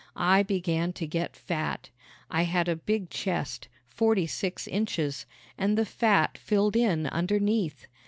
I began to get fat. I had a big chest forty six inches and the fat filled in underneath.